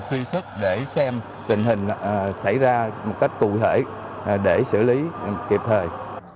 phương thức để xem tình hình xảy ra một cách cụ thể để xử lý kịp thời